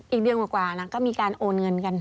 อีกเดือนกว่าก็มีการโอนเงินกัน